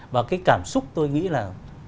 và cái cảm xúc tôi nghĩ là